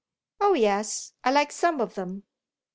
"Oh yes, I like some of them."